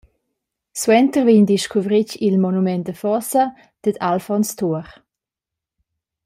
Suenter vegn discuvretg il monument da fossa dad Alfons Tuor.